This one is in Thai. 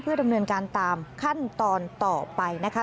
ดำเนินการตามขั้นตอนต่อไปนะคะ